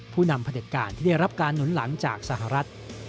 ผู้นำผลิตการที่ได้รับการหนุนหลังจากสหรัฐ